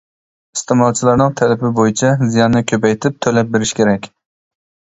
ئىستېمالچىلارنىڭ تەلىپى بويىچە زىياننى كۆپەيتىپ تۆلەپ بېرىشى كېرەك.